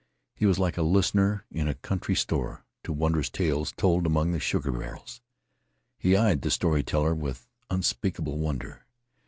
He was like a listener in a country store to wondrous tales told among the sugar barrels. He eyed the story teller with unspeakable wonder.